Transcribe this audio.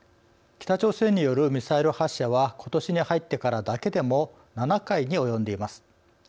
北朝鮮によるミサイル発射はことしに入ってからだけでも７回に及んでいます。